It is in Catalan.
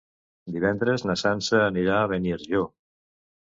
Divendres na Sança anirà a Beniarjó.